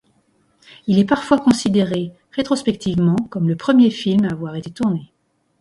Il est parfois considéré, rétrospectivement, comme le premier film à avoir été tourné.